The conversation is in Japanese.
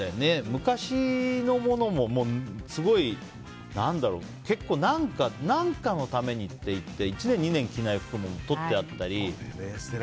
昔の物も何かのためにっていって１年、２年着ない服もとってあったり。